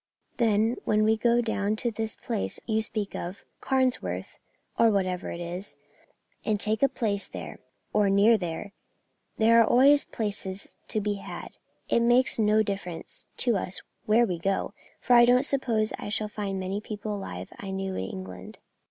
Then we will go down to this place you speak of Carnesworth, or whatever it is, and take a place there or near there; there are always places to be had. It makes no difference to us where we go, for I don't suppose I shall find many people alive I knew in England.